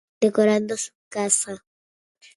Decorando su casa.